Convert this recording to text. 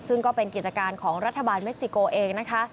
ซึ่งก็เป็นกิจการของรัฐบาลเม็กซิโกเองนะคะ